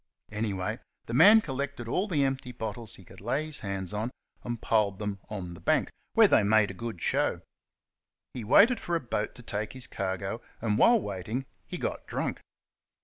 Anyway, the man collected all the empty bottles he could lay his hands on, and piled them on the bank, where they made a good show. He waited for a boat to take his cargo, and, while waiting, he got drunk.